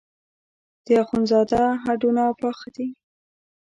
د اخوندزاده هډونه پاخه دي.